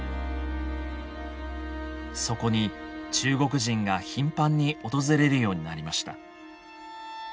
そこに中国人が頻繁に訪れるようになりました。